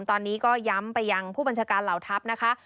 ตอนนี้ก็ย้ำไปยังผู้บัญชาการเหล่าทัพนะคะ